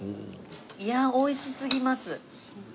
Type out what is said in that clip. いやあ美味しすぎます。